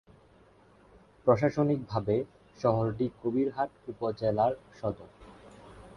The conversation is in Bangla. প্রশাসনিকভাবে শহরটি কবিরহাট উপজেলার সদর।